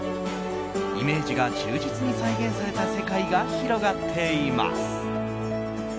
イメージが忠実に再現された世界が広がっています。